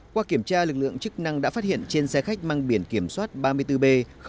qua kiểm tra lực lượng chức năng đã phát hiện trên xe khách mang biển kiểm soát ba mươi bốn b một nghìn ba trăm tám mươi bốn